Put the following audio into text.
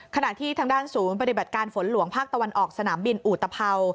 ขณะที่ทางด้านศูนย์ปฏิบัติการฝนหลวงภาคตะวันออกสนามบินอุตภัวร์